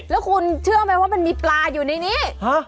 แล้วคุณเชื่อไหมว่ามันมีปลาอยู่ในนี้